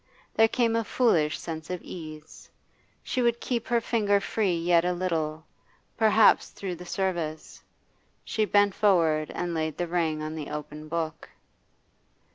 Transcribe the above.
There came a foolish sense of ease. She would keep her finger free yet a little, perhaps through the service. She bent forward and laid the ring on the open book.